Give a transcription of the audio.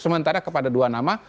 sementara kepada dua nama